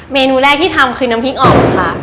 เมนูแรกที่ทำคือน้ำพริกอ่อมค่ะ